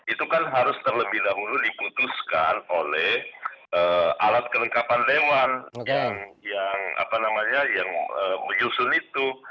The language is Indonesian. itu kan harus terlebih dahulu diputuskan oleh alat kelengkapan dewan yang menyusun itu